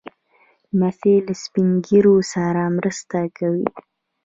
لمسی له سپين ږیرو سره مرسته کوي.